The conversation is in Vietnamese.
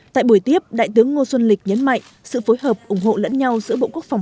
tại buổi tiếp đại tướng ngô xuân lịch nhấn mạnh sự phối hợp ủng hộ lẫn nhau giữa bộ quốc phòng